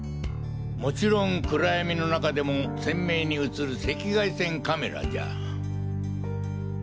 もちろん暗闇の中でも鮮明に映る赤外線カメラじゃ。